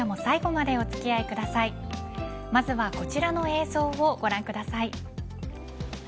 まずはこちらの映像をご覧ください。